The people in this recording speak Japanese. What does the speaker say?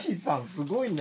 すごいね！